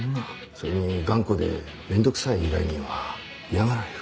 それに頑固で面倒くさい依頼人は嫌がられる。